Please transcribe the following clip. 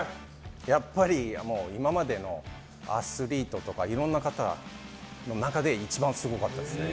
やっぱり今までのアスリートとかいろんな方の中で一番すごかったですね。